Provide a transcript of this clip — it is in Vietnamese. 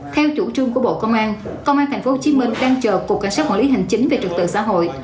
theo chủ trương của bộ công an công an tp hcm đang chờ cục cảnh sát quản lý hành chính về trật tự xã hội